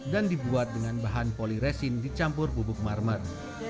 dan dibuat dengan bahan poliresin dicampur bubuk marmer